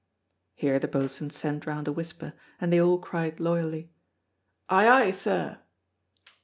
Here the Boatswain sent round a whisper, and they all cried loyally, "Ay, ay, sir."